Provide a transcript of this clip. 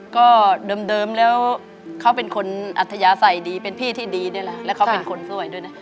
ก็เดิมแล้วเขาเป็นคนอัธยาศัยดีเป็นพี่ที่ดีนี่แหละแล้วเขาเป็นคนสวยด้วยนะ